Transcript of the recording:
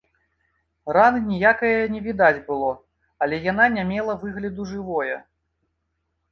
Раны ніякае не відаць было, але яна не мела выгляду жывое.